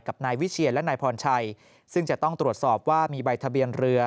กับนายวิเชียนและนายพรชัยซึ่งจะต้องตรวจสอบว่ามีใบทะเบียนเรือ